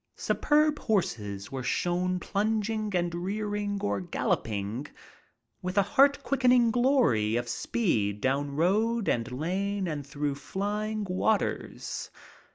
Superb horses were shown plunging and rearing or galloping with a â€" «! tout quickening glory of sjxwi down road and lane and through flying waters.